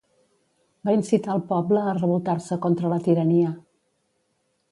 Va incitar al poble a revoltar-se contra la tirania.